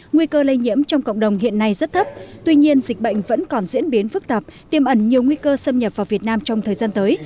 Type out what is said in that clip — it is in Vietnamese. nguy cơ lây nhiễm trong cộng đồng hiện nay rất thấp tuy nhiên dịch bệnh vẫn còn diễn biến phức tạp tiêm ẩn nhiều nguy cơ xâm nhập vào việt nam trong thời gian tới